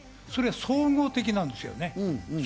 それは総合的なんですよ。